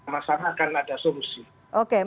saya kira kalau bisa mengkurasi bareng